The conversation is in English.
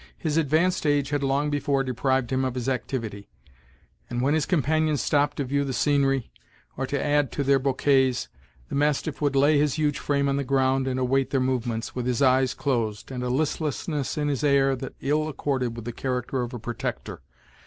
His advanced age had long before deprived him of his activity; and when his companions stopped to view the scenery, or to add to their bouquets, the mastiff would lay his huge frame on the ground and await their movements, with his eyes closed, and a listlessness in his air that ill accorded with the character of a protector.